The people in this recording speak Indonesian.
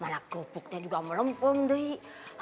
nah gopuknya juga melempung deh